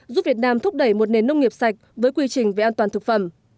giúp việt nam thúc đẩy một nền nông nghiệp sạch với quy trình về an toàn thực phẩm